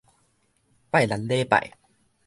拜六禮拜